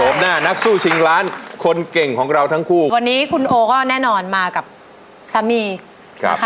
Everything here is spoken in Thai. วันนี้คุณโอก็แน่นอนมากับสัมมีย์